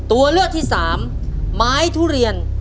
ตัวเลือกที่สามไม้ทุเรียน